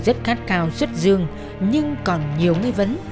dù rất khát khao xuất dương nhưng còn nhiều nguy vấn